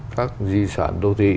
các di sản đô thị